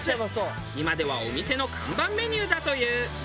今ではお店の看板メニューだという。